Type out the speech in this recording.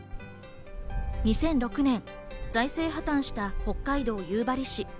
２００６年、財政破綻した北海道夕張市。